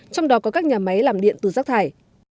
trong đó có các nhà máy làm điện từ rác thải